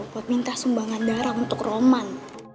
buat minta sumbangan darah untuk roman